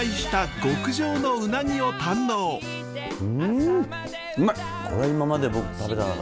んうまい！